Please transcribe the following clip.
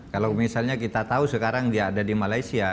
kalau misalnya kita tahu sekarang dia ada di malaysia